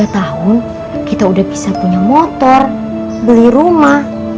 tiga tahun kita udah bisa punya motor beli rumah